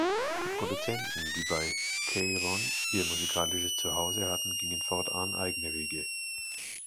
Die Produzenten, die bei Cheiron ihr musikalisches Zuhause hatten, gingen fortan eigene Wege.